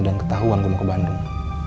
dan ketahuan gue mau ke bandung